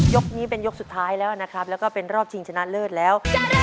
ยกนี้เป็นยกสุดท้ายแล้วนะครับแล้วก็เป็นรอบชิงชนะเลิศแล้ว